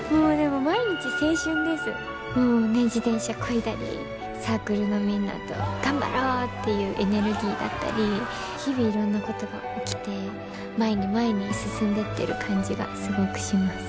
もうね自転車こいだりサークルのみんなと頑張ろうっていうエネルギーだったり日々いろんなことが起きて前に前に進んでってる感じがすごくします。